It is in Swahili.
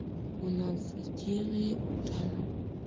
Unafikiri tunapaswa kufanya nini?